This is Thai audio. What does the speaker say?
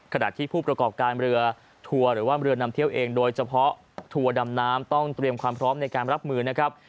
ขณะที่ผู้ประกอบการเรือทัวร์หรือว่าเรือนำเที่ยวเองโดยเฉพาะทัวร์ดำน้ำต้องเตรียมความพร้อมในการรับมือนะครับ